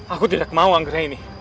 aku tidak mau akhirnya ini